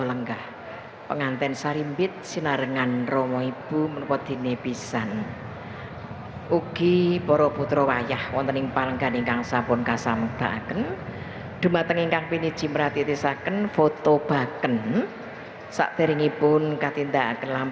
akhirnya ini dia sangat gigih ya ini dia